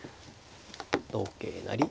同桂成ま